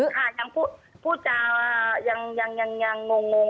ค่ะพูดจากนั้นยังงง